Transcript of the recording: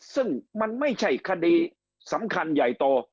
ซึ่งมันไม่ใช่คดีสำคัญใหญ่โต